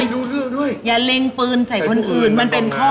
อ๋อพี่ดูด้วยอย่าเล็งปืนใส่คนอื่นมันเป็นข้อห้าม